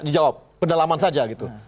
dijawab pendalaman saja gitu